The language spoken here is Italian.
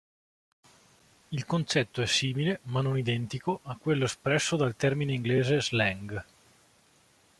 Il concetto è simile, ma non identico, a quello espresso dal termine inglese "slang".